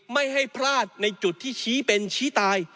ไม่ให้พลาดในจุดที่ชี้เป็นชี้ตาย